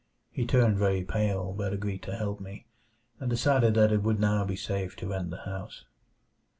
He turned very pale, but agreed to help me, and decided that it would now be safe to rent the house.